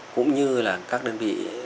cũng như các đơn vị